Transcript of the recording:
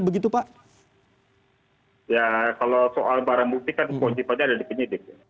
bukti pada dari penyidik